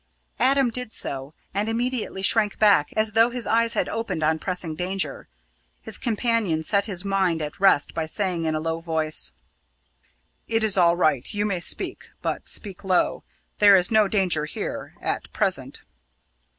Adam did so, and immediately shrank back as though his eyes had opened on pressing danger. His companion set his mind at rest by saying in a low voice: "It is all right; you may speak, but speak low. There is no danger here at present!"